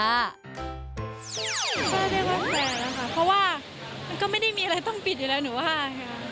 ก็เรียกว่าแฟนนะคะเพราะว่ามันก็ไม่ได้มีอะไรต้องปิดอยู่แล้วหนูว่าค่ะ